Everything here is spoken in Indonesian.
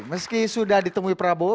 meski sudah ditemui prabowo